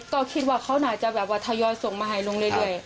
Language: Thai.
ก็คิดว่าเขาหน่อยจะไม่ประโยชน์ส่งมาให้ลุงเลย